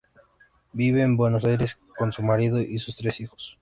Vive en Buenos Aires, con su marido y sus tres hijos.